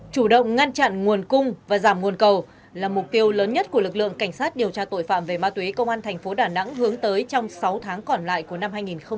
chủ động ngăn chặn nguồn cung và giảm nguồn cầu là mục tiêu lớn nhất của lực lượng cảnh sát điều tra tội phạm về ma túy công an tp hcm hướng tới trong sáu tháng còn lại của năm hai nghìn hai mươi ba